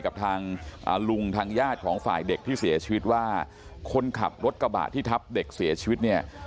กับทางลุงทางญาติของฝ่ายเด็กที่เสียชีวิตว่าคนขับรถกระบะที่ทับเด็กเสียชีวิตเนี่ย